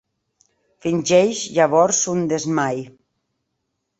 Fingeix llavors un desmai.